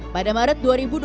pada maret dua ribu dua puluh